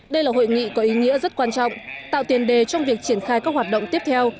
đây là hội nghị có ý nghĩa rất quan trọng tạo tiền đề trong việc triển khai các hoạt động tiếp theo